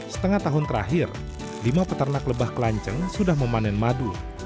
setengah tahun terakhir lima peternak lebah kelanceng sudah memanen madu